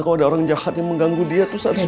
kalau ada orang jahat yang mengganggu dia itu harus